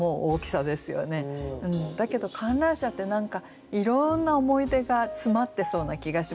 だけど観覧車って何かいろんな思い出が詰まってそうな気がしませんか？